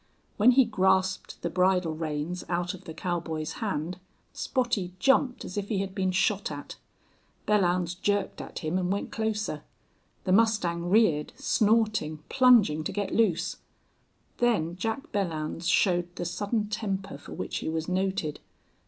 When he grasped the bridle reins out of the cowboy's hand Spottie jumped as if he had been shot at. Belllounds jerked at him and went closer. The mustang reared, snorting, plunging to get loose. Then Jack Belllounds showed the sudden temper for which he was noted.